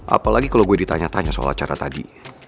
apalagi kalau gue ditanya tanya soal acara tadi